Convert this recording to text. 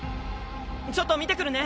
ちょっと見てくるね。